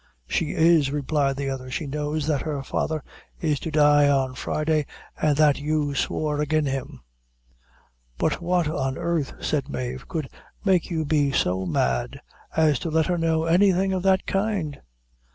"She is," replied the other; "she knows that her father is to die on Friday an' that you swore agin' him." "But what on earth," said Mave, "could make you be so mad as to let her know anything of that kind?"